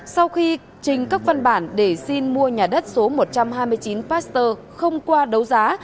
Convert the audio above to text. sau khi trình các văn bản để xin mua nhà đất số một trăm hai mươi chín pasteur không qua đấu giá